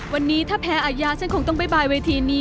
วันนี้ถ้าแพ้อายาฉันคงต้องใบวาร์ไทยนี่